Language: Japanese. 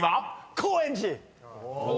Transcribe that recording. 「高円寺」！